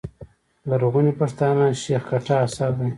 لرغوني پښتانه، شېخ کټه اثر دﺉ.